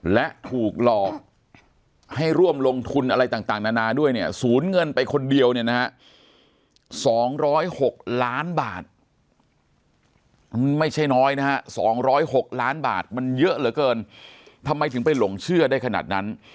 และถูกหลอกให้ร่วมลงทุนอะไรต่างนานาด้วยเนี่ยศูนย์เงินไปคนเดียวเนี่ยนะฮะ๒๐๖ล้านบาทไม่ใช่น้อยนะฮะ๒๐๖ล้านบาทมันเยอะเหลือเกินทำไมถึงไปหลงเชื่อได้ขนาดนั้น